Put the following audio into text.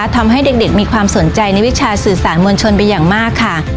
ทำให้เด็กมีความสนใจในวิชาสื่อสารมวลชนเป็นอย่างมากค่ะ